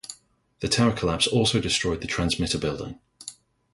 The tower collapse also destroyed the transmitter building.